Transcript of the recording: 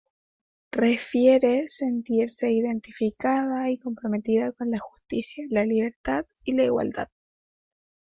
Refiere sentirse identificada y comprometida con la justicia, la libertad y la igualdad.